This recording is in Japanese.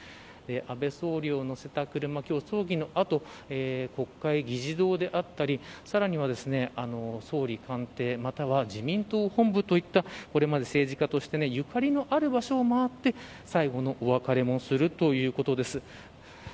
安倍元総理を乗せた車今日葬儀の後国会議事堂であったりさらには、総理官邸または自民党本部といったこれまで政治家としてのゆかりのある場所を回って最後のお別れもするということです。